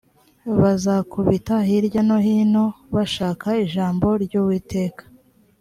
bazakubita hirya no hino bashaka ijambo ry uwiteka